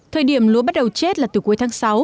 thời điểm lúa bắt đầu chết là từ cuối tháng sáu